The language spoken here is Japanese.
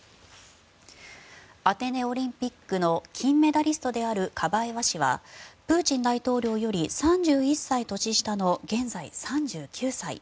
アテネオリンピックの金メダリストであるカバエワ氏はプーチン大統領より３１歳年下の現在３９歳。